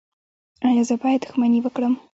ایا زه باید دښمني وکړم؟